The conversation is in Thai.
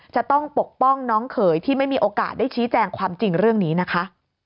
จะต้องปกป้องน้องเขยที่ไม่มีโอกาสได้ชี้แจงความจริงเรื่องนี้นะคะ